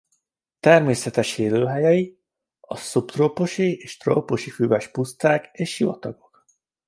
Természetes élőhelyei a szubtrópusi és trópusi füves puszták és sivatagok.